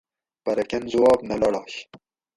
پرہ کۤن زُواب نہ لاڑاش